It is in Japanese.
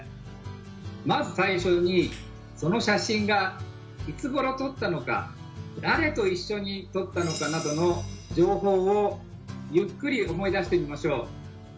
まず最初にその写真がいつごろ撮ったのか誰と一緒に撮ったのかなどの情報をゆっくり思い出してみましょう。